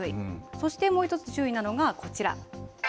そしてもう１つ注意なのが、こちら。